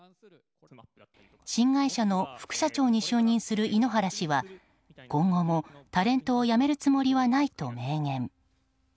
新会社の副社長に就任する井ノ原氏は今後もタレントをやめるつもりはないと明言。